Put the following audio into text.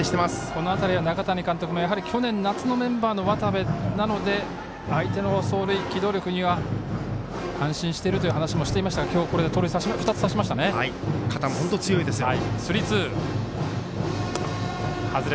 この辺りは中谷監督も去年の夏のメンバーの渡部なので相手の走塁、機動力には安心しているという話もしていましたが、今日これで盗塁２つ刺しましたよね。